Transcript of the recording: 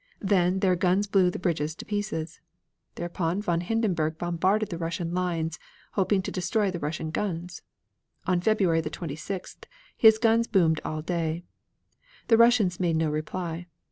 Then their guns blew the bridges to pieces. Thereupon von Hindenburg bombarded the Russian lines hoping to destroy the Russian guns. On Friday, the 26th, his guns boomed all day; the Russians made no reply.